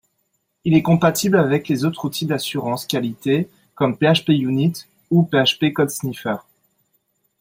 Il est compatible avec les autres outils d'assurance qualité comme PHPUnit ou PHP CodeSniffer